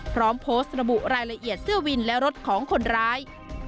พร้อมโพสต์ระบุรายละเอียดเสื้อวินและรถของคนร้าย